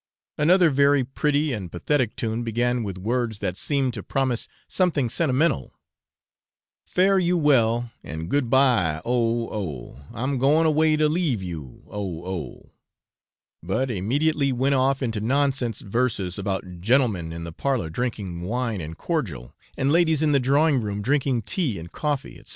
Another very pretty and pathetic tune began with words that seemed to promise something sentimental Fare you well, and good bye, oh, oh! I'm goin' away to leave you, oh, oh! but immediately went off into nonsense verses about gentlemen in the parlour drinking wine and cordial, and ladies in the drawing room drinking tea and coffee, &c.